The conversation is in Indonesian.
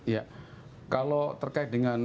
ya kalau terkait dengan